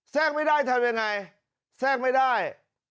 ไม่ได้ทำยังไงแทรกไม่ได้